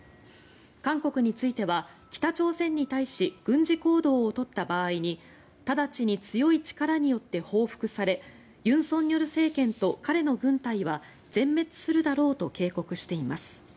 韓国については北朝鮮に対し軍事行動を取った場合に直ちに強い力によって報復され尹錫悦政権と彼の軍隊は全滅するだろうと警告しています。